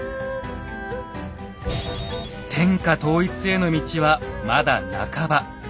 天下統一への道はまだ半ば。